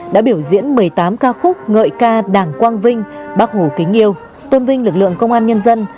đã biểu diễn một mươi tám ca khúc ngợi ca đảng quang vinh bác hồ kính yêu tôn vinh lực lượng công an nhân dân